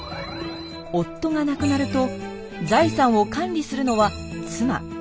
夫が亡くなると財産を管理するのは妻。